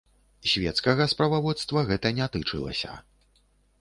Свецкага справаводства гэта не тычылася.